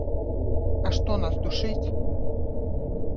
А што нас душыць?